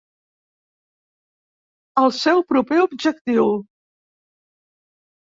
El seu proper objectiu.